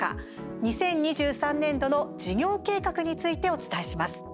２０２３年度の事業計画についてお伝えします。